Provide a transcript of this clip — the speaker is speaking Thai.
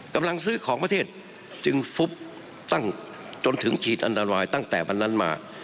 กำลังซื้อของประเทศจึงฟุบตั้งจนถึงขีดอันตรายตั้งแต่วันนั้นมา